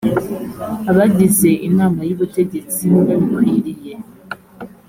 abagize inama y ubutegetsi babikwiriye